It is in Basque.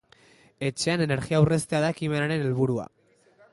Etxean energia aurreztea da ekimenaren helburua.